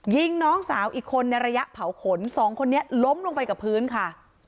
ยิงน้องสาวอีกคนในระยะเผาขนสองคนนี้ล้มลงไปกับพื้นค่ะ